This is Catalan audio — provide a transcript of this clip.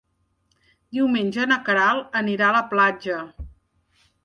Diumenge na Queralt anirà a la platja.